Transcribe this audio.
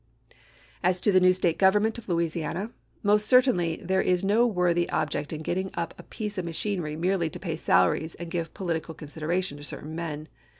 As to the new State government of Louisiana. Most certainly there is no worthy object in getting up a piece of machinery merely to pay salaries and give political consideration to certain men.